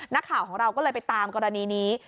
นักข่าวของเราก็เลยไปตามกรณีนี้